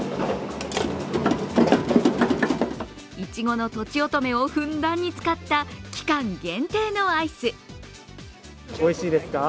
いちごのとちおとめをふんだんに使った期間限定のアイス。